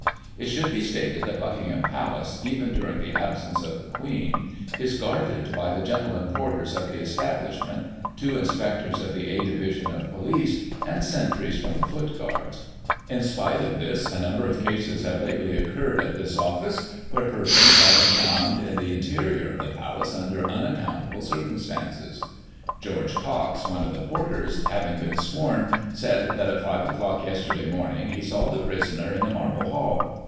It should be stated that Buckingham Palace, even during the absence of the Queen, is guarded by the gentlemen porters of the establish ment, two inspectors of the A division of police, and sentries from the Foot Guards. In spite of this, a number of cases have lately occurred at this office, where persons have been found in the interior of the Palace under unaccountable circum stances. George Cox, one of the porters^ having been sworn, said, that at five o'clock yesterday morning he saw the prisoner in the Marble hall.